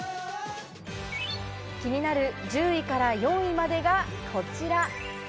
気になる１０位から４位までがこちら。